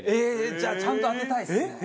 じゃあちゃんと当てたいですね。